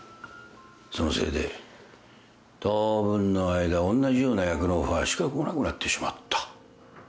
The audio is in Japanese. そのせいで当分の間おんなじような役のオファーしか来なくなってしまった。